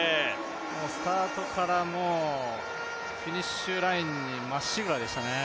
スタートからフィニッシュラインにまっしぐらでしたね。